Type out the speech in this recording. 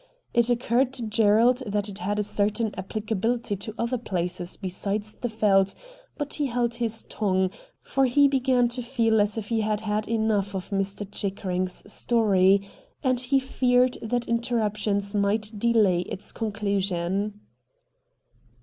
It occurred to Gerald that it had a certain applicability to other places besides the Yeldt, but he held his tongue, for he began to feel as if he had had enough of Mr. Chickering's story and he feared that interruptions might delay its conclusion.